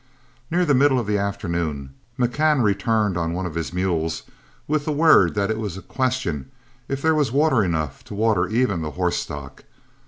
Near the middle of the afternoon, McCann returned on one of his mules with the word that it was a question if there was water enough to water even the horse stock.